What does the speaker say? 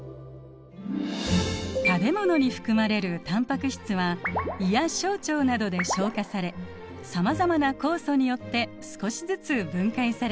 食べ物に含まれるタンパク質は胃や小腸などで消化されさまざまな酵素によって少しずつ分解されていきます。